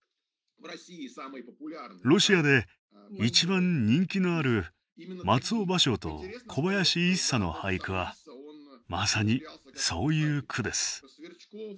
ロシアで一番人気のある松尾芭蕉と小林一茶の俳句はまさにそういう句です。